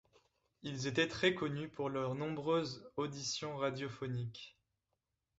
Ils étaient très connus pour leurs nombreuses auditions radiophoniques.